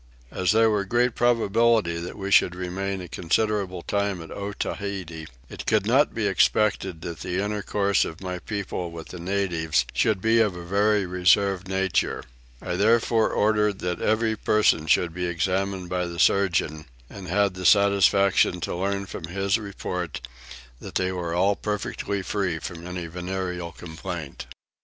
As there was great probability that we should remain a considerable time at Otaheite, it could not be expected that the intercourse of my people with the natives should be of a very reserved nature: I therefore ordered that every person should be examined by the surgeon, and had the satisfaction to learn from his report that they were all perfectly free from any venereal complaint.